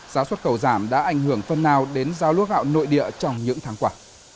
giá xuất khẩu giảm đã ảnh hưởng phần nào đến giao lúa gạo nội địa trong những tháng qua